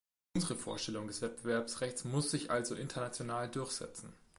Unsere Vorstellung des Wettbewerbsrechts muss sich also international durchsetzen.